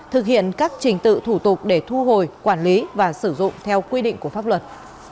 thực hiện các trình tự thủ tục để thu hồi quản lý và sử dụng theo quy định của pháp luật